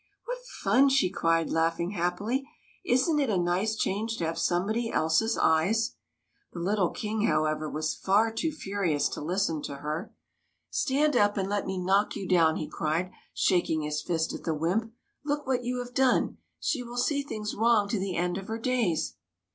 " What fun !" she cried, laughing happily. " Is n't it a nice change to have somebody else's eyes ?" The little King, however, was far too furi ous to listen to her. THE MAGICIAN'S TEA PARTY 45 *' Stand up and let me knock you down !" he cried, shaking his fist at the wymp. '' Look what you have done. She will see things wrong to the end of her days